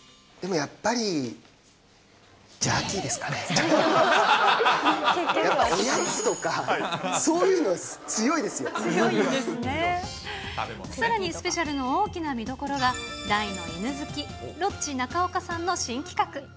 やっぱりおやつとか、そういうのさらにスペシャルの大きな見どころが、大の犬好き、ロッチ・中岡さんの新企画。